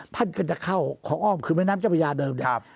ท่านก็จะเข้าของอ้อมคือแม่น้ำเจ้าพระยาเดิมเนี่ย